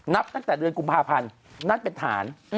นับตั้งแต่เดือนกุมภาพันธ์นั่นเป็นฐาน